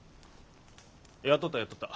やっとったやっとった。